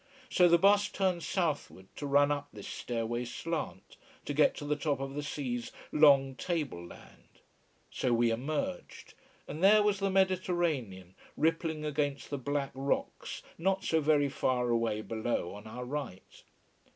So the bus turned southward to run up this stairway slant, to get to the top of the sea's long table land. So, we emerged: and there was the Mediterranean rippling against the black rocks not so very far away below on our right.